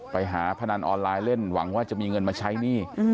พนันออนไลน์เล่นหวังว่าจะมีเงินมาใช้หนี้